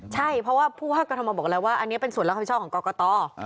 ใช่เพราะว่าผู้ว่ากรทมบอกแล้วว่าอันนี้เป็นส่วนรับผิดชอบของกรกต